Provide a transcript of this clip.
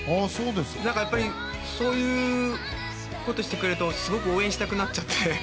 やっぱりそういうことをしてくれるとすごく応援したくなっちゃって。